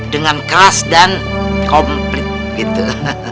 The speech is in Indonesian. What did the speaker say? dengan keras dan komplit gitu